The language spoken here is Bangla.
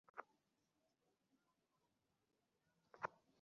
আমি যা বলছি ঠিকই বলছি!